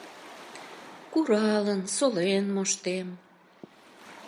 Куралын, солен моштем.